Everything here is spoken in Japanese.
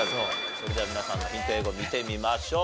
それでは皆さんのヒント英語見てみましょう。